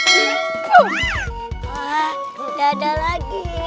sudah ada lagi